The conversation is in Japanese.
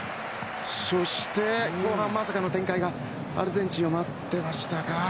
そして後半まさかの展開がアルゼンチンには待っていました。